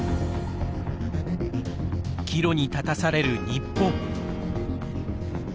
岐路に立たされる日本。